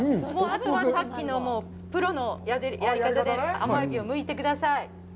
あとはプロのやり方で甘えびをむいてください。